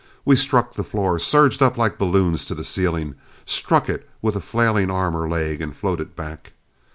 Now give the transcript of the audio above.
We struck the floor, surged up like balloons to the ceiling, struck it with a flailing arm or leg and floated back.